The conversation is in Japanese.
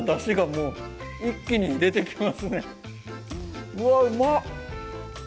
うわうまっ！